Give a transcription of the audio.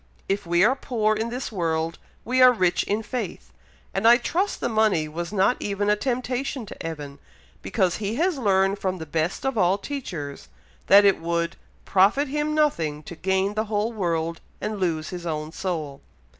If we are poor in this world, we are rich in faith; and I trust the money was not even a temptation to Evan, because he has learned from the best of all teachers, that it would 'profit him nothing to gain the whole world, and lose his own soul.'"